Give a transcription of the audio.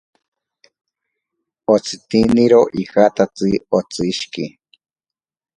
Otsitiniro ijatatsi otsishiki.